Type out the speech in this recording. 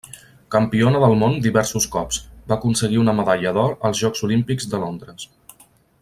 Campiona del món diversos cops, va aconseguir una medalla d'or als Jocs Olímpics de Londres.